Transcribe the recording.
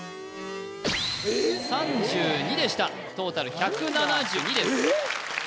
３２でしたトータル１７２ですえっ